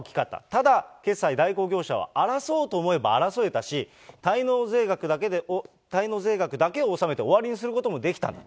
ただ、決済代行業者は争おうと思えば争えたし、滞納税額だけを納めて終わりにすることもできた。